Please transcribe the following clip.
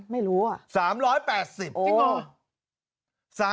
ไม่รู้อ่ะ